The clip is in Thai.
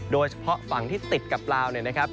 โดยเฉพาะฝั่งที่ติดกับลาวเนี่ยนะครับ